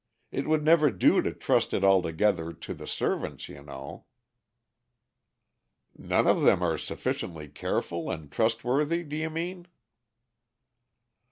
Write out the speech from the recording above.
It would never do to trust it altogether to the servants, you know." "None of them are sufficiently careful and trustworthy, do you mean?"